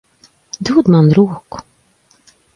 Dod man roku.